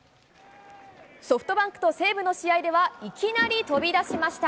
ソフトバンクと西武の試合では、いきなり飛び出しました。